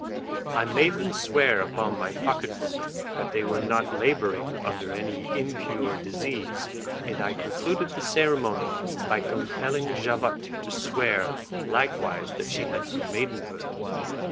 I made them swear upon my pocket book that they were not labouring under any impure disease, and I concluded the ceremony by compelling Javotte to swear likewise that she had her maidenhood.